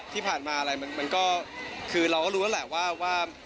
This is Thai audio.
ที่ผ่านมาอะไรมันก็คือเราก็รู้แล้วแหละว่า